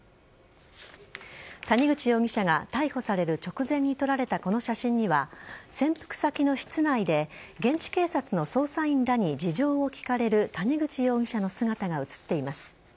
谷口容疑者が逮捕される直前に撮られたこの写真には潜伏先の室内で現地警察の捜査員らに事情を聴かれる谷口容疑者の姿が映っています。